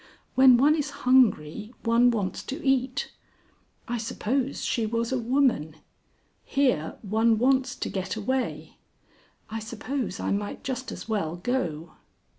When one is hungry one wants to eat. I suppose she was a woman. Here one wants to get away. I suppose I might just as well go."